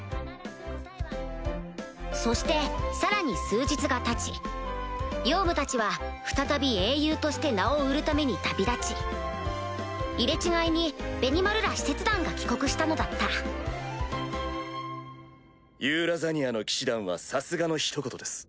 そしてさらに数日がたちヨウムたちは再び英雄として名を売るために旅立ち入れ違いにベニマルら使節団が帰国したのだったユーラザニアの騎士団はさすがのひと言です。